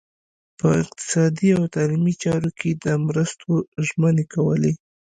په اقتصادي او تعلیمي چارو کې د مرستو ژمنې کولې.